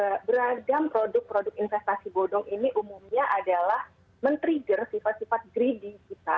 nah beragam produk produk investasi bodong ini umumnya adalah men trigger sifat sifat greeding kita